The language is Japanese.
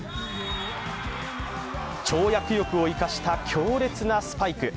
跳躍力を生かした強烈なスパイク。